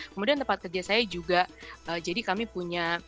kemudian tempat kerja saya juga jadi kami punya